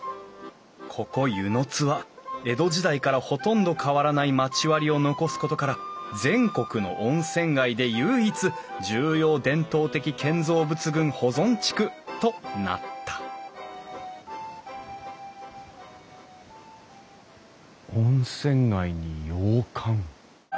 ここ温泉津は江戸時代からほとんど変わらない町割りを残すことから全国の温泉街で唯一重要伝統的建造物群保存地区となった温泉街に洋館。